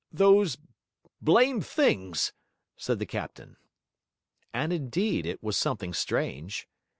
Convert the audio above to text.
'Those blamed things,' said the captain. And indeed it was something strange.